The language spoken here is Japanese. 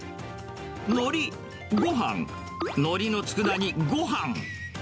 のり、ごはん、のりのつくだ煮、ごはん。